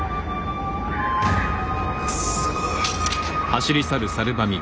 くそ。